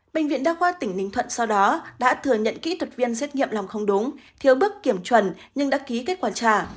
bệnh viện đa khoa tỉnh ninh thuận sau đó đã thừa nhận kỹ thuật viên xét nghiệm lòng không đúng thiếu bước kiểm chuẩn nhưng đã ký kết quả trả